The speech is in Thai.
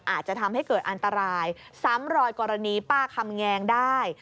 อาจจะทำให้เกิดอันตรายซ้ำรอยกรณีป้าคำแงงได้